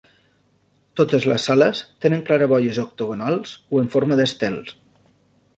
Totes les sales tenen claraboies octogonals o en forma d'estel.